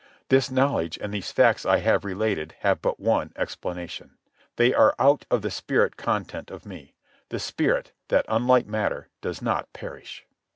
This knowledge and these facts I have related have but one explanation. They are out of the spirit content of me—the spirit that, unlike matter, does not perish.